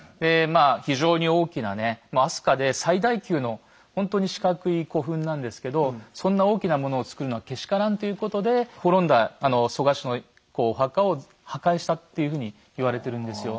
非常に大きなね飛鳥で最大級のほんとに四角い古墳なんですけどそんな大きなものをつくるのはけしからんということでっていうふうに言われてるんですよ。